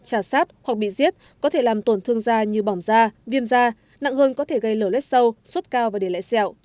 trả sát hoặc bị giết có thể làm tổn thương da như bỏng da viêm da nặng hơn có thể gây lở lết sâu suốt cao và để lại sẹo